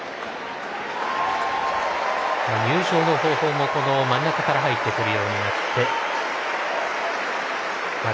入場の方法も真ん中から入ってくるようになりました。